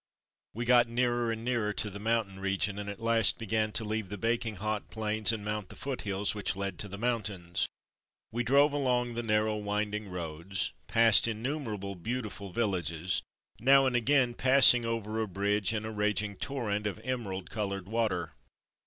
We got nearer and nearer to the mountain region and at last began to leave the baking hot plains and mount the foothills which led to the mountains. We drove along the narrow, winding roads, past innumerable beautiful villages, now and again passing over a bridge and a raging torrent of emer ald coloured water.